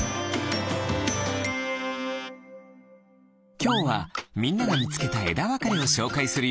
きょうはみんながみつけたえだわかれをしょうかいするよ。